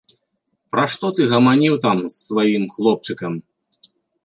Пра што ты гаманіў там з сваім хлопчыкам?